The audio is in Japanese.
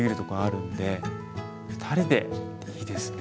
２人でいいですね。